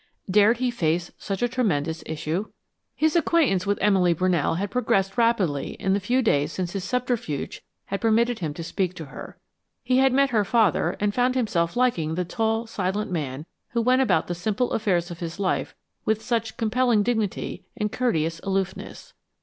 Dared he face such a tremendous issue? His acquaintance with Emily Brunell had progressed rapidly in the few days since his subterfuge had permitted him to speak to her. He had met her father and found himself liking the tall, silent man who went about the simple affairs of his life with such compelling dignity and courteous aloofness.